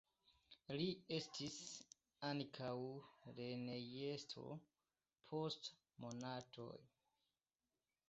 Li estis ankaŭ lernejestro post monatoj.